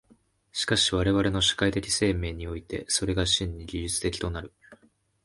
しかし我々の社会的生命において、それが真に技術的となる。